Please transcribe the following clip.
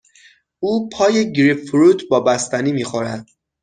او پای گریپ فروت با بستنی می خورد.